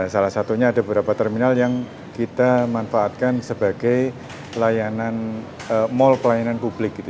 salah satunya ada beberapa terminal yang kita manfaatkan sebagai layanan mall pelayanan publik gitu